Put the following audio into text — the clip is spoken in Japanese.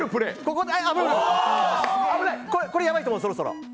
これやばいと思う、そろそろ。